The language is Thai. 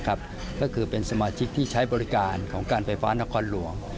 ก็คือเป็นสมาชิกที่ใช้บริการของการไฟฟ้านครหลวง